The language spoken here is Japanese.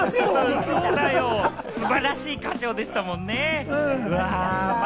素晴らしい歌唱でしたもんね。